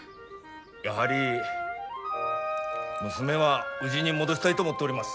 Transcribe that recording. やはり娘はうぢに戻したいと思っております。